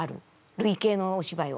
類型のお芝居を。